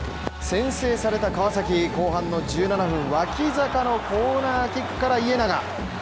先制された川崎、後半の１７分、脇坂のコーナーキックから家長。